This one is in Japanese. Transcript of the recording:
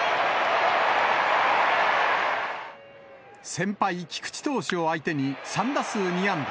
先輩、菊池投手を相手に３打数２安打。